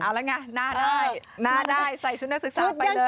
เอาแล้วไงหน้าได้หน้าได้ใส่ชุดนักศึกษาไปเลย